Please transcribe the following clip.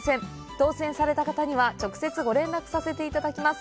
当せんされた方には、直接ご連絡させていただきます。